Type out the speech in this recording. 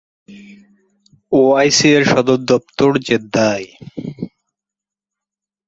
এর বর্তমান সদর দফতর জেদ্দায়।